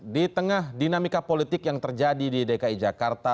di tengah dinamika politik yang terjadi di dki jakarta